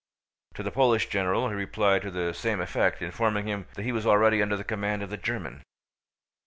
To the Polish general he replied to the same effect, informing him that he was already under the command of the German.